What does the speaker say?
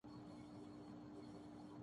مصروف رہ کر بھرپور طریقے سے